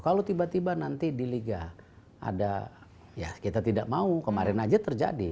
kalau tiba tiba nanti di liga ada ya kita tidak mau kemarin aja terjadi